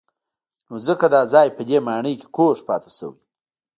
نو ځکه دا ځای په دې ماڼۍ کې کوږ پاتې شوی.